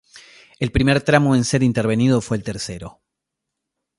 El primer tramo en ser intervenido fue el tercero.